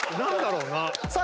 ⁉さあ